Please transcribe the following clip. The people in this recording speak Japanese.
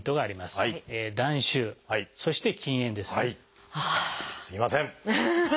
すいません！